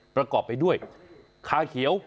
ประกอบไปด้วยคาเขียว